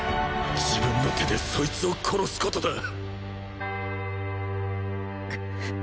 自分の手でそいつを殺すことだ